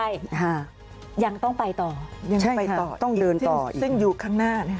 ใช่ยังต้องไปต่อต้องเดินต่อซึ่งอยู่ข้างหน้า